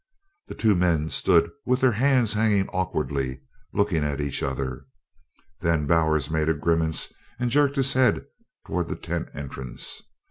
The two men stood with their hands hanging awkwardly, looking at each other. Then Bowers made a grimace and jerked his head towards the tent entrance.